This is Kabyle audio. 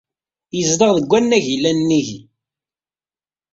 Yezdeɣ deg wannag yellan nnig-i.